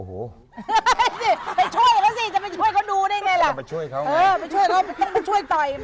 ไปช่วยเค้าสิจะไปช่วยเค้าดูได้ไงล่ะ